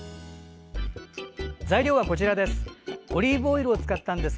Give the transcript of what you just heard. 材料はこちらです。